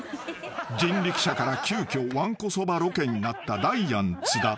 ［人力車から急きょわんこそばロケになった］